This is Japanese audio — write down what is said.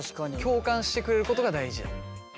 共感してくれることが大事。